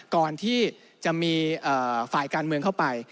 ก่อนที่จะมีฝ่ายการเมืองเข้าไป